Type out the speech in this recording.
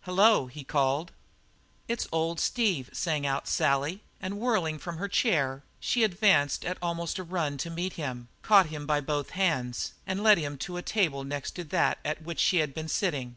"Hello!" he called. "It's old Steve!" sang out Sally, and whirling from her chair, she advanced almost at a run to meet him, caught him by both hands, and led him to a table next to that at which she had been sitting.